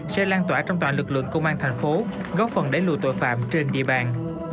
sẽ lan tỏa trong toàn lực lượng công an thành phố góp phần đẩy lùi tội phạm trên địa bàn